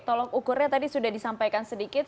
tolok ukurnya tadi sudah disampaikan sedikit